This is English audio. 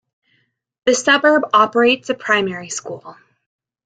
The suburb operates a primary school.